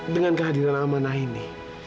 dengan kehadiran amanah ini